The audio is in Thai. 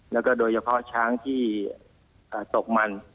แล้วก็โดยเฉพาะช้างที่ตกมัน